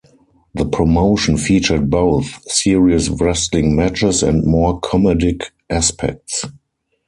The promotion featured both serious wrestling matches and more comedic aspects.